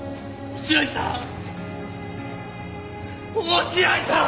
落合さん！